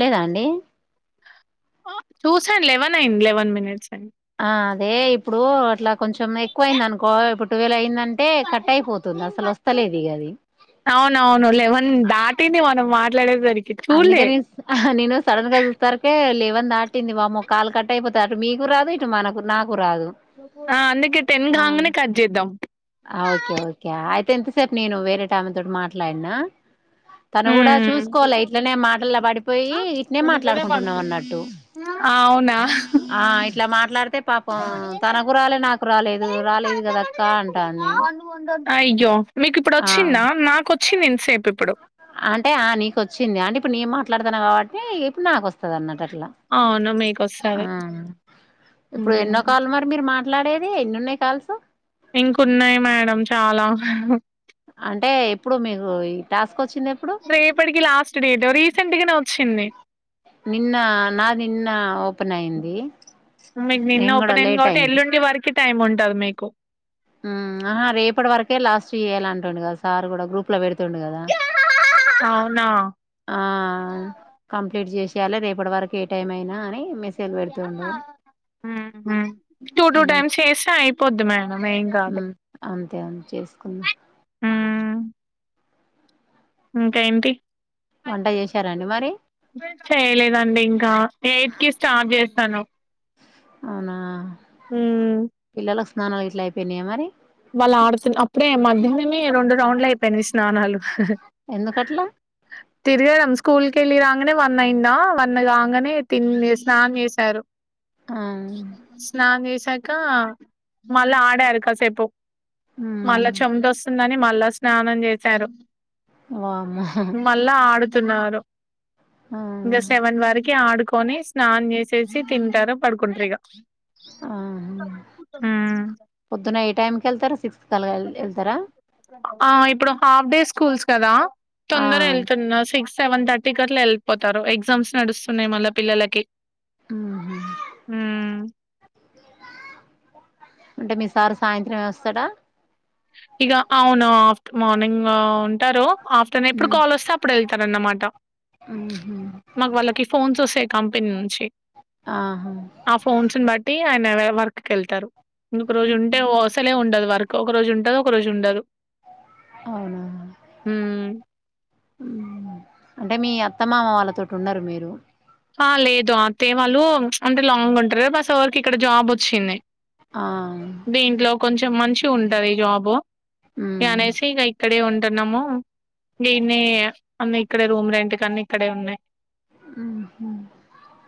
లేదా అండి చూసాను లెవెన్ అయ్యింది లెవెన్ మినిట్స్ అయ్యింది ఆ అదే ఇప్పుడు అట్లా కొంచెం ఎక్కువయింది అనుకో ఇప్పుడు ట్వీల్వ్ అయింది అను అది అవునవును లేవన్ దాటింది మనం మాట్లాడే సరికి అందుకేని నేను స సడన్ గా చూస్తారుక [unintelligible] లివెన్ దాటింది బామో కాలు కట్ అయిపోతా అటు మీకు రాదు ఇటు మనకు నాకు రాదు ఆ అందుకే టెన్ ఆ రాంగానే కట్ చేద్దాం టెంత్ సేపు నేను వేరేట ఆమె తోటి మాట్లాడినా తను కూడా ఉమ్ చూసుకోలె ఇట్లనే మాటలా పడిపోయి ఇట్నె మాట్లాడుకుంటున్నాం అన్నట్టు అవునా ఆ ఇట్ల మాట్లాడు అయితే పాపం తనకు రాలేదు నాకు రాలేదు రాలేదు కదక్క అంటాంది అయ్యో మీకు ఇప్పుడు ఆ వచ్చిందా నాకు చ్చింది ఇంత సేపు ఇప్పుడు అంటే ఆ నీకు వచ్చింది అంటే ఇప్పుడు నే మాట్లాడుతాను కాబట్టి ఇప్పుడు నాకు వస్తా అన్నట్ అట్లా అవును మీకు ఆ వస్తది ఇప్పుడు ఎన్నో ఉమ్. కాల్ మరి మీరు మాట్ మాట్లాడేది ఎన్ని ఉన్నాయి కాల్స్ ఇంకన్నాయి మేడం చాలా అంటే ఇప్పుడు మీకు ఈ టాస్ రేపటికి లాస్ట్ డేట్ రీసెంట్గానే వచ్ చ్చింది నిన్న నా నిన్న ఓపెన్ అయింది మీది నిన్న నేను కూడా ఓపెన్ అయింది లేట్ కాబట్టి ఎలుండి వరకి టైం ఉంటది మీకు ఆ ఆహా రేపటి వరకే లాస్ట్ చేయ్యాల అంటుండు కదా సార్ కూడా గ్రూప్ లో పెడుత తుండు కదా అవునా ఆ ఆ కంప్లీట్ చేసేయాలే రేపటి వరకు ఏ టైం అయినా అని మేస్ మ్ మ్మ్ టూ టూ టైమ్స్ చేసా అయి పొద్ది మే మ్ అంతే చేసుకున్నా ఊమ్ ఇంకా ఏంటి వంట చేశారండి మరి చేయలేదండి ఇంకా ఎయిట్ కి స్టాప్ చేస్ తను అవునా ఊమ్ పిల్లల స్ నాన్న ఇట్లా అయిపోయినాయ మరి బళ్ళ ఆడతునప్పుడే మధ్యాహ్నమే రెండు రౌండ్లు అయిపోయింది స్నానాలు ఎందుకట్లా తిరగడం స్కూల్ కి వెళ్ళి రా అనే వన్ అయింద వన్ కాగానే తిని స్నానం చేసారు ఆ స్నానం చేసాక కా మళ్ళ ఆడారు కాసేపు మళ్ళా మ్మ్ చెమట వస్తుందని మళ్ళా స్నానం చేశారు వామ్మో తున్నారు ఆ ఇంకా సెవెన్ వరకి ఆడు కొని స్నానం చేసేసి తింటారు పడుకుంటరు ఇగా ఆ హ్ పొద్దున ఏ టైం కి వెళ్త ఆ ఇప్పుడు హాఫ్ డే స్కూల్స్ కదా ఆ తొందర వెళ్తున్నా సిక్స్ సెవెన్ తర్టీకి అట్ల వెళ్ళిపోతరు ఎగ్జామ్స్ నడుస్తున్నాయి మళ్ళ పిల్లలకి మ్మ్ మ్ అంటే మీసారు సాయంత్రం ఏ వస్తాడా ఇక అవును ఆఫ్టర్ మార్నింగ్ ఉంటారు ఆఫ్టర్ ఎప్పుడు మ్మ్ కాల్ వస్తే అప్పుడు వెళ్తారన్నమాట మ్మ్ మాకు వాళ్ళకి ఫోన్స్ వస్తాయ్ కంపెని నుంచి ఆహా ఆ ఫోన్స్ బట్టి ఆయన వర్క్ కి వెళ్తారు ఒక రోజు ఉంటే ఒ అసలే ఉండదు వర్క్ ఒక రోజు ఉన్ ది ఒక రోజు ఉండదు అవునా ఉమ్. ఉ అంటే మీ అత్ త్తమామ వాళ్ళతోటి ఉండరు మీరు ఆ లేదు అత్తయ్య వాళ్ళు అంటే లాంగ్ ఉంటారు మా సార్ కి ఇక్కడ జాబ్ వచ్చింది ఆ మంచిగ ఉంటది ఈ జాబ్ మ్మ్ అనేసి ఇక్కడ ఉండి టున్నాము దీన్ని అన్ని ఇక్కడే రూమ్ రెంట్ అన్నీ ఇక్కడే ఉన్నాయి ఉ ఊ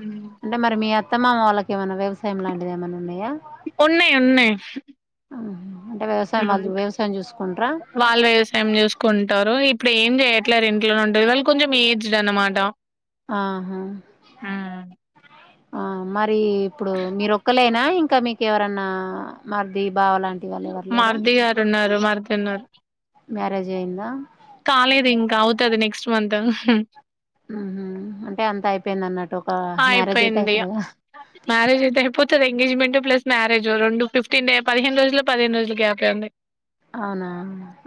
హ్మ్. అంటే మరి మీ అత్తామామ వాళ్ళకి ఏవన్నా వ్యవసాయం లాంటిది ఏమన్నా ఉన్నాయా. ఉన్నయి ఉన్నాయి ఉహు. అంటే వ్యవసాయం ఉ వాళ్ళు వ్యవసాయం చూసుకుంటారా వాళ్ళు వ్యవసాయం చేసుకుంటారు ఇ ప్పుడు ఏం చేయట్లేరు ఇంట్లోనే ఉండి, వాళ్ళు కొంచెం ఏజ్డ్ అన్నమాట ఆహా హ్మ్. ఆ మర్ రి ఇప్పుడు మీరు ఒక్కలేనా ఇం ఇంకా మీకెవరన్నా మరిది బావ లాంటి వాళ్ళు ఎవర్ లేరా? మరి తిన్నర మ్యారేజ్ అయిందా కాలేదు. ఇంక అవుతది నెక్స్ట్ మంత్ ఇహ్ మ్ మ్ అంటే అంత అయిపోయింది అన్నట్టు ఒక మ్యారేజ్ అయితే అయిపోయింది. అయిపొతద. మ్యారేజ్ అయితే అయిపోతది ఎంగేజ్మెంట్ ప్లస్ మ్యారజ్ రెండు ఫిఫ్టీనే పదిహేను రోజు, పదిహేను రోజులు గ్యాప్ అ ఉంది. అవునా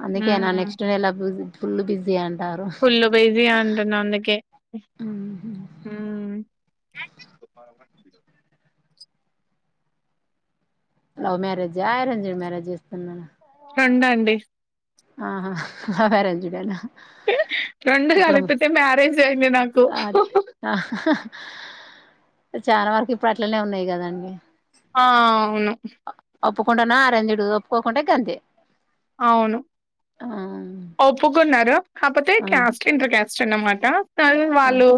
అందుకే నా నెక్స్ట్ నెల పూజ్ ఫుల్ బిజియం ఫుల్ల్లో బిజి అంటున్నా అందుకే ఉహు అందర్ లవ్ మ్యారేజా, ఆరెంజ్డ్ మ్యారేజ్ చేస్తున్నా రెండండి ఆహా లవర్రాఙ్డేనా హు రెండు కలిపితే మ్యారేజ్ అయింది నాకు హా అదే హ ఆ చాలా వరకు ఇప్పుడు అట్లనే ఉన్నాయి కదండి. ఆ అవును ఒప్పుకుంటడాన ఆరెంజ్డ్, ఒప్పుకోకుంటె గంతే అవును ఆ ఒప్పుకున్నారా కపోతే ఆ క్యాస్ట్ ఇంటర్ క్యాస్ట్. చిన్నమాట ఆ వాళ్ళు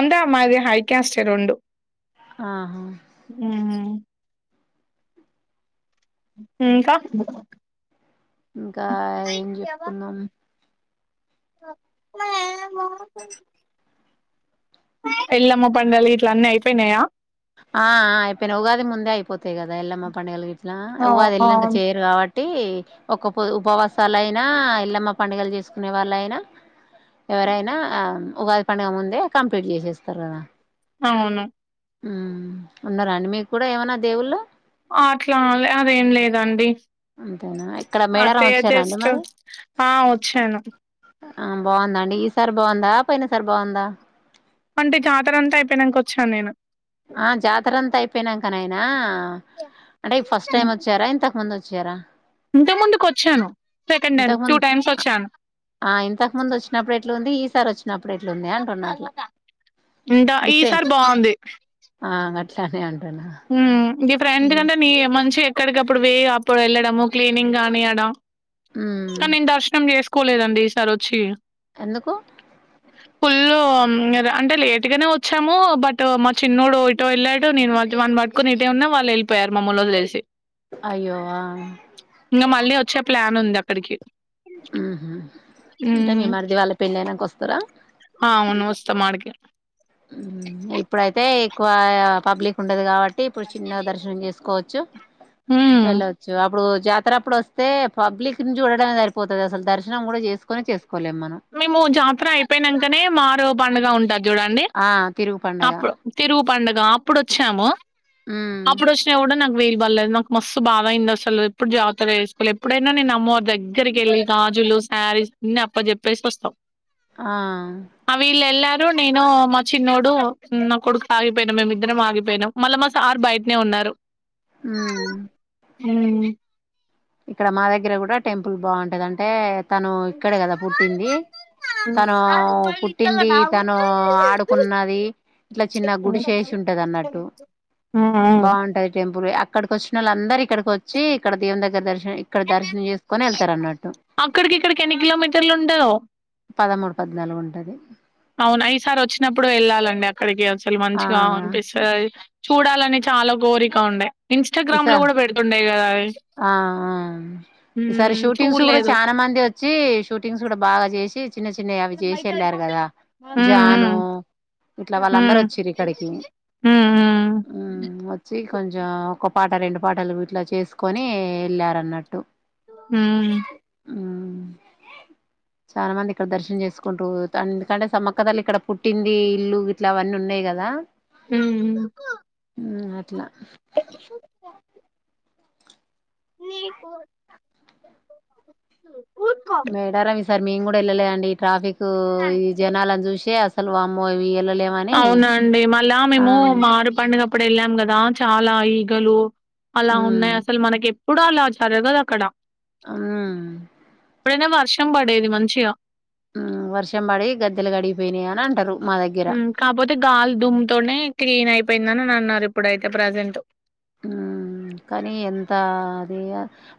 అంతే అమ్మాయిది హై క్యాస్ట్ రెండు ఆహా ఆ ఇంకా ఇంకా ఏం చెప్పుకున్నాం [unintelligible] ఎల్లమ్మ పండల్ ఇట్ల అన్నీ అయిపోయినాయా ఆ ఆ అయిపోయినాయి ఉగాది ముందే అయిపోతాయి కదా ఎల్లమ్మ పంండగల గిట్లా ఆ ఉగాది వెళ్ళినాక అవును చేయరు కాబ ట్టి ఒక పొద్ ఉపవాసాలుయినా ఎల్లమ్మ పండుగలు చేసుకునే వాళ్ళయినా ఎవరైనా ఉగాది పండగ ముందే కంప్లీట్ చేసేస్తారు కదా అవును మ్మ్ ఉన్నారా అండి మీకు కూడా ఏమనా దేవుళ్ళు అట్లా అ అదేం లేదండి అంతేనా ఇక్కడ మేడారం అత్తయ్య వచ్చారండి జస్ట్ మరి ఆ వచ్చాను ఆ బాగుందా అండి ఈసారి బాగుందా పోయిన సార్ బాగుందా అంటే జాతర అంతా అయిపోయినంక వచ్చాను నేను ఆ జాతర అంతా అయిపోయినంకనైన అంటే ఫస్ట్ టైం వచ్చారా ఇంతకు ముందు వచ చేరా ఇంతకు ముందుకు వచ్చాను సెకండ్ టైం ఇంతకు టూ ముందు టైమ్స్ వచ్చాను ఆ ఇంతకు ముందు వచ్చినప్పుడు ఎట్లుంది ఈసారి వచ్ ఇంద ఈసారి డిఫరెంట్ బాగుంది ఆ అట్లనే అన్ మ్మ్ గీ ఫ్రెండ్ కంటే నీ మంచి అక్కడికిప్పుడు వేయ అప్పుడు వెళ్ళడము క్లీనింగ్ గా అనియడం మ్మ్ కానీ నేన్ దర్శనం చేస్ కోలేదండి ఈసారి వచ్చి ఎందుకు ఫుల్ అంటే లేటుగానే వచ్చాము బట్ మా ఫుల్లు అంటే లేటుగానీ వచ్చాము బట్ మా చిన్నడు ఇటో వెళ్ళాడు నేను వని పట్టుకొని ఇటే ఉన్నా వాళ్ళు వెళ్ళిపోయారు మామ్ముల్లు తెలిసి అయ్యో ఇంకా మళ్లీ వచ్చే ప్లాన్ ఉందా కడికి హ్మ్ హు అంటే మీ మరిది వాళ్ళ పెళ్ళైనంక వస్ తర ఆ ఆవును వస్తాం అడకే హ్మ్ హు ఇప్పుడైతే ఎక్కువ పబ్లిక్ ఉండదు కాబ ట్టి ఇప్పుడు చిన్నగా దర్శనం చేసుకోవచ్చు ఉమ్ వెళ్ళొచ్చు అప్పుడు జా తర అప్పుడు వస్తె పబ్లిక్ నీ నుంచి చూడమే సరిపోతుంది అసలు దర్శనం కూడా చేసుకుొని చేస్ మేము జాతర అయిపోయినంకనే మరో బండుగా ఉంటద చూడండి ఆ తిరుగు పండగ అప్పుడు తిరుగు పడుగ అప్పుడు వచ్చాము మ్మ్ అప్పుడు వచ్చినా కూడా నాకు వీలు పళ్లేదు నాకు మస్తు బాధయింది అసలు ఎప్పుడు జాగతర వేసుక ఎప్పుడైనా నేను అమ్మవారి దగ్గరికి వెళ్ళి గాజుల్ సారీస్ అన్ని అప్ప చెప్ ప్పేసి వస్తాం ఆ ను నేను మా చిన్నోడు నా కొడుకు ఆగిపోయినా మేముమిద్దరం ఆగిపోయినాం మళ్ళా మా సార్ బయటనే ఉన్నారు హ్మ్మ్ హ్మ్మ్ ఇక్కడ మా దగ్గర కూడా టెంపుల్ బాగుంటది అంటే తను ఇక్కడే కదా పుట్టింది తను పుట్టింది తను ఆడుకున్నది ఇట్లా చిన్న గుడిసె వేసి ఉంటది అన్నట్టు బాగుంటది టెంపుల్ ఇక్కడి కి వచ్చినోళ్ళందరు ఇక్కడికి వచ్చి ఇక్కడ దేవుని దగ్గర దర్శనం ఇక్కడ దర్శని చేసుకొని వెళ్ ళ్తారాన్నట్టు అక్కడికి ఇక్కడికి ఎన్ని కిలోమీటర్లు ఉంటదో నలాగు ఉంటది అవున ఈసారి వచ్చినప్పుడు వెళ్ళాలండి అక్కడికి వెళ్ అసలు ఆ మంచిగా అనిపిస్తాది అది చూడాలని చాలా కోరిక ఉండే ఈస ఇన్స్టాగ్రామ్ లో కూడా పెడుతుండే కదా అది ఆ ఆ ఈసారి హ్మ్ షూటింగ్స్ కూడా చూడలేదు. చానా మంది వచ్చి షూటింగ్స్ కూడా బాగా చేసి చిన్న చిన్నవి అవి చేసి వెళ్ళారు కదా హ్మ్ జాను హ్మ్ ఇట్లా వాళ్ళందరు హ్మ్ వచ్చిళ్లు ఇక్కడికి హ్మ్ హ్మ్ వచ్చి కొంచెం ‌పాట రెండు పాటలు ఇట్లా చేసుకోని వెళ్ళారు అన్నట్టు హ్మ్. హ్మ్మ్ చాలా మంది ఇక్కడ దర్శనం చేసుకుంటు పోతాళ్లు ఎందుకంటే సమ్మక్క తల్లి ఇక్కడ పుట్టింది ఇల్లు గిట్లా అవన్నీ ఉన్నాయి కదా హ్మ్. ఊ హ్ అట్లా మేడారం ఈ సారి మేం కూడా వెళ్ళలే అండి ట్రాఫక్ క్‌ ఈ జనాలని చూసే వామ్మో ఏవి అవునండి మళ్ళా మేము మారు పండుగ అప్పుడు వెళ్ళాం కదా చాలా ఈగలు అలా మ్మ్ ఉన్నాయి అసలు మనకి ప్పుడు అలా జరగదు అక్కడ అ మ్ ప్పుడున్న వర్షం పడేది మంచిగా వర్షం పడి గద్దెలు కడిగిపోయినయి అని అంటారు మా దగ్గర కాకపోతే గాలి దుమ్ము తోనే క్లీన్ అయిపోయిందని అని అన్నారు ఇప్పుడైతే ప్రజెంట్ మ్ కానీ ఎంత అది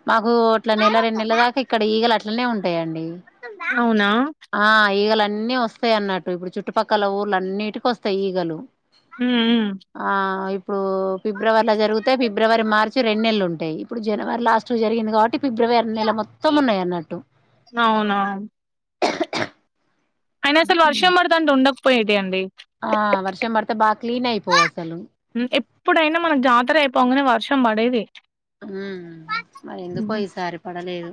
మాకు అట్ల నెల రెండు నెల్ల దాకా ఇక్కడ ఈగల ఇట్లనే ఉంటాయండి అవునా ఆ ఈగలు అన్నీ వస్తాయి అన్నట్టు ఇప్పుడు చుట్టుపక్కల ఊళ్లు అన్నిటికి వస్తాయి ఈగలు ఉహ్ హ్ ఆ! ఇప్పుడు ఫిబ్రవరి జరిగితే మార్చి నెలలుంటాయి. ఇప్పుడు జనవరి లాస్ట్ లో జరిగింది కాబట్టి ఫిబ్రవరి నెల మొత్తం ఉన్నాయి అన్నట్టు అవునా! అయినా అసలు వర్షం పడుతాంటె ఉండ పోయేటి అండి ఆ వర్షం పడితే బాగా క్లీనై పోవ్ అసలు పొంగానే వర్షం పడేదె ఉమ్ మరి ఎందుకో ఈసారి పడలేదు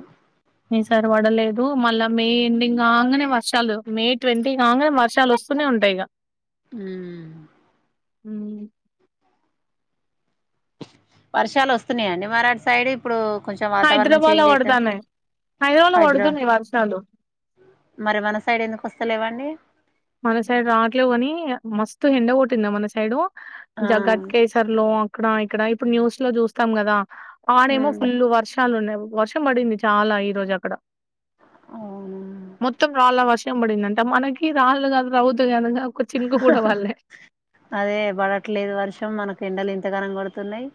ఈసారి పడలేదు మళ్ళా మే ఎండింగ్ కాంగనే వర్షాలు మే ట్వంటీ కాంగానే వర్షాలు వస్తూనే ఉంటాయిగ ఉహ్ హ వర్షాలు వస్తున్నాయండి మరటు సైడ్ ఇప్పుడు కొంచెం వాతావరణం హైదరాబాద్‌లో చేంజ్ అయితాంది పడతాన్నాయి. హైదరాబాద్‌లో హైదరాబాద్ పడుతున్నాయి వర్షాలు. మరి మన సైడ్ ఎందుకు వస్తలేవండి మన సైడ్ రాట్లెవ్ కాని మస్తు ఎండ కొట్టిందా మన సైడు ఆ జగత్ కేసర్లో ఇక్కడ ఇక్కడ ఇప్పుడు న్యూస్ లో చూస్తాం కదా ఆడేమో ఉమ్ ఫుల్ వర్షం వర్షాలు ఉన్నాయి వర్షం పడింది చాలా ఈ రోజు అక్కడ అవును మొత్తం రాళ్ల వర్షం షమ్ పడింది అంట మనకి రాళ్ళ గాదు రౌతుగాదు అదే పడట్లేదు వర్షం మనకు ఎండలెం లింతగానం [unintelligible] కోడుతున్నాయి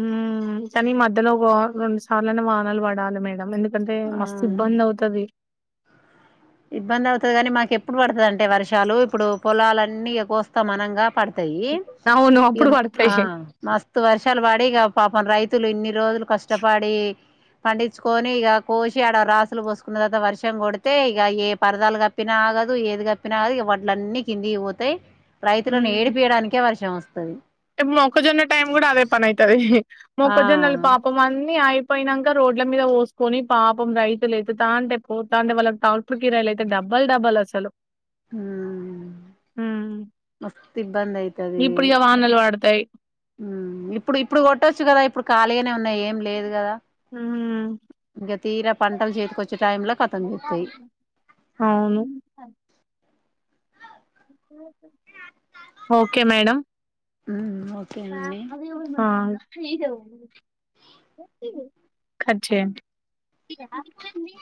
ఉమ్ కానీ ఈ మధ్యలో వా ఒక రెండు సార్లన్నా వానాలు పడాలి ఎందుకు అంతే ఆ మస్తే ఇబ్బంది అవుతది ఇబ్బంది అవుతది కాని మాకు ఎప్పుడు పడుతది అంటే వర్షాలు ఇప్పుడు పొలాలన్నీ ఇగ కోస్తాం అనంగా పడత యి అవును ఇగ అప్పుడు ఆ పడతాయి. మస్తు వర్షాలు పడి ఇగ పాపం రైతు తులన్నీ [unintelligible] న్ని రోజులు కష్టపడి పండించుకొని ఇక కోషి ఆడ రాసులు పోసుకున్న తర్వాత వర్షం కొడితే ఈగ ఏ పరదాలు కప్పినా ఆగదు ఏది కప్పినా ఆగదు ఇక వడ్లన్నీ అన్ని కిందికి పోతాయి రైతులను ఏడిపీయడానికె వర్షం వస్త తై [unintelligible] ఇటు మొక్కజొన్న టైం కూడా అదే పని అయితది ఆ మొక్కజొన్నలు పాపం అన్ని ఆయి పోయినంకా రోడ్ల మీద పోసుకొని పాపం రైతులు ఎత్తుత అంటే పోత్తాంటే వాళ్ళ ట్రాక్టర్ కిరాలు అయితే డబల్ డబల్ అసలు ఉమ్ ఉమ్ మస్తు ఇబ్బంది అయితది వానలు పడతాయి. మ్ ఇప్పుడు ఇప్పుడు కొట్టొచ్చు కదా కదా ఇప్పుడు ఖాళీగానే ఉన్నాయి కదా ఏం లేదు కదా హ్మ్. ఇంకా తీరా పంటలు చేతికొచ్చే టైం లో కతం చేత్తాయి అవును. ఓకే మేడం ఉమ్ ఆ కట్ చేయండి